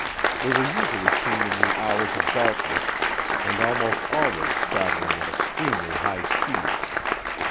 They were usually seen in the hours of darkness and almost always traveling at extremely high speeds.